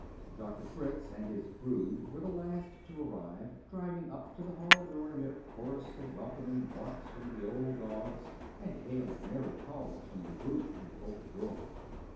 Doctor Fritz and his brood were the last to arrive, driving up to the hall door amid a chorus of welcoming barks from the old dogs and a hail of merry calls from the group in the open doorway.